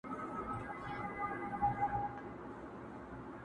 له ټوخي یې په عذاب کلی او کور وو،